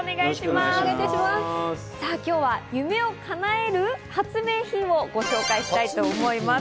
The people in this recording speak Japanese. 今日は夢をかなえる発明品をご紹介したいと思います。